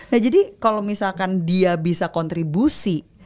nah jadi kalau misalkan dia bisa kontribusi